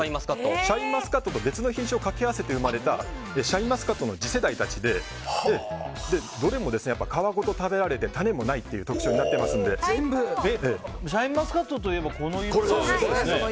シャインマスカットと別の品種を掛け合わせて生まれたシャインマスカットの次世代たちでどれも皮ごと食べられて種もないというシャインマスカットといえばこの色だよね。